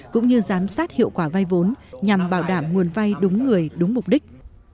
cũng như giám sát hiệu quả vay vốn nhằm bảo đảm nguồn vay đúng người đúng mục đích